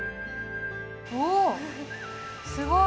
おっすごい。